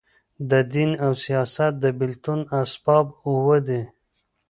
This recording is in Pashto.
د دین او سیاست د بېلتون اسباب اووه دي.